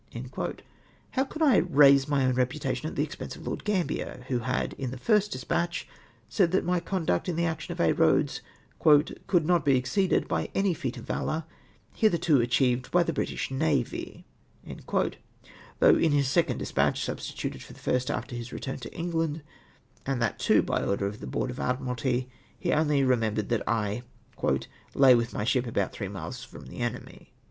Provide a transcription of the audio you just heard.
{Minutes, p. 108.) How could I " raise my own reputation " at the ex pense of Lord Gambier, wlio had, in his first despatch, said that my conduct in the action of Aix Eoads " could not be exceeded by any feat of valour hitherto achieved by the British na\y ;" though in his second despatch, substituted for the first after his return to England, and that too by order of the Board of Ad miralty, he only remembered that I " lay with my ship about three miles from the enemy